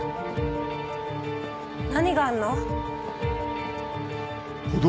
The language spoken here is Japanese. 何があんの？